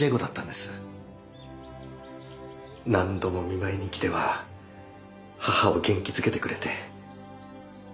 何度も見舞いに来ては母を元気づけてくれて。